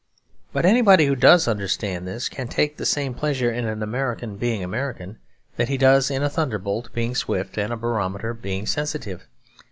But anybody who does understand this can take the same pleasure in an American being American that he does in a thunderbolt being swift and a barometer being sensitive.